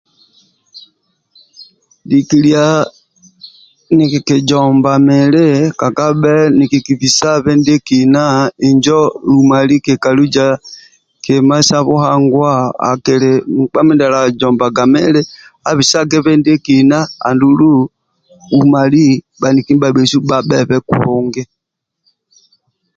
Likilya nikiki jomba mili kangabe nikiki bhisabhe ndiekina njo humali kika luja kima sya buhanguwa akiki mkpa mindyala jombaga mili abhisagebhe ndiekina andulu humali baniki ndibabesu babebhe kulungi